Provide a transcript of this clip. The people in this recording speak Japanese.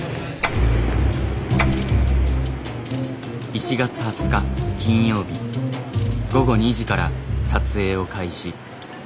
１月２０日金曜日午後２時から撮影を開始。